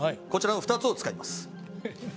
こちらの２つを使います。